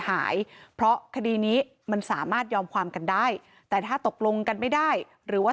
หายเพราะคดีนี้มันสามารถยอมความกันได้แต่ถ้าตกลงกันไม่ได้หรือว่า